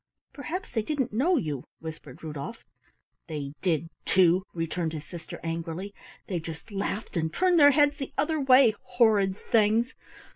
"Perhaps they didn't know you," whispered Rudolf. "They did, too," returned his sister angrily. "They just laughed and turned their heads the other way, horrid things!